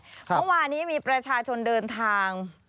เมื่อวานนี้มีประชาชนเดินทาง